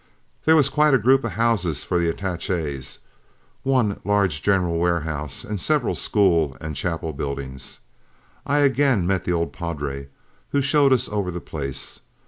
There was quite a group of houses for the attachés, one large general warehouse, and several school and chapel buildings. I again met the old padre, who showed us over the place.